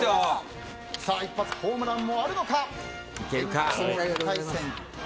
１発ホームランもあるのか。